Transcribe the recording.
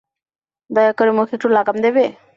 দয়া করে মুখে একটু লাগাম দেবে?